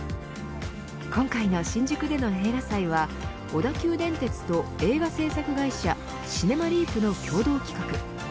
今回の新宿での映画祭は小田急電鉄と映画製作会社シネマリープの共同企画。